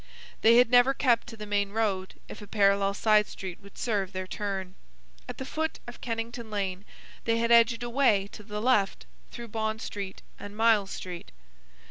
They had never kept to the main road if a parallel side street would serve their turn. At the foot of Kennington Lane they had edged away to the left through Bond Street and Miles Street.